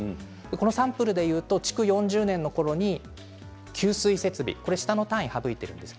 このサンプルで言うと築４０年のころに給水設備下の単位は省いています。